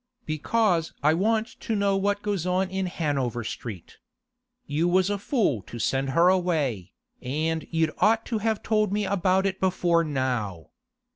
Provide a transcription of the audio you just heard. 'Because I want to know what goes on in Hanover Street. You was a fool to send her away, and you'd ought to have told me about it before now.